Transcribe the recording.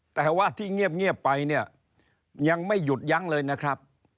แต่ว่าที่เงียบไปเนี่ยยังไม่หยุดยั้งเลยนะครับ